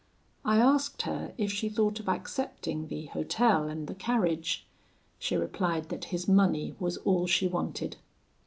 I asked her if she thought of accepting the hotel and the carriage. She replied that his money was all she wanted."